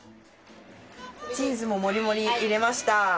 チーズもモリモリ入れました。